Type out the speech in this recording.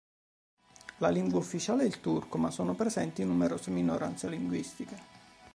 La lingua ufficiale è il turco, ma sono presenti numerose minoranze linguistiche.